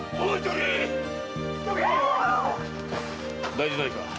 大事ないか？